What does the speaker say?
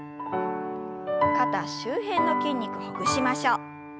肩周辺の筋肉ほぐしましょう。